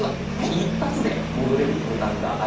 一発で戻れるボタンがあります。